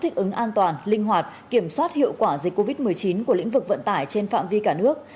thích ứng an toàn linh hoạt kiểm soát hiệu quả dịch covid một mươi chín của lĩnh vực vận tải trên phạm vi cả nước